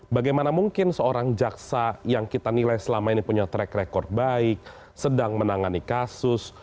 bagaimana mungkin seorang jaksa yang kita nilai selama ini punya track record baik sedang menangani kasus